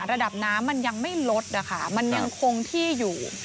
ระดับน้ำมันยังไม่ลดนะคะมันยังคงที่อยู่